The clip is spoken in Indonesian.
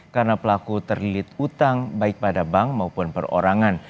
karena pelaku terlilit utang baik pada bank maupun perorangan